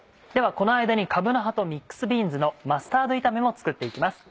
この間にかぶの葉とミックスビーンズのマスタード炒めも作って行きます。